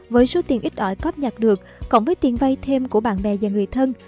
với số tiền ít ỏi cóp nhặt được cộng với tiền vay thêm của bạn bè và người thân